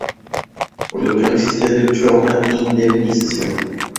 Por lo que no existía derecho a una indemnización.